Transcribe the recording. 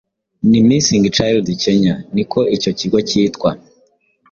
ni missing child Kenya niko icyo kigo cyitwa